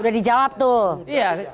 udah dijawab tuh iya